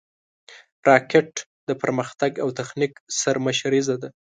راکټ د پرمختګ او تخنیک سرمشریزه ده